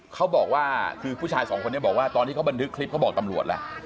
เขาบอกว่าคือผู้ชายสองคนนี้บอกว่าตอนที่เขาบันทึกคลิปเขาบอกตำรวจแล้ว